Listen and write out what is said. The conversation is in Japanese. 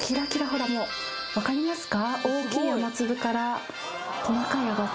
もう分かりますか？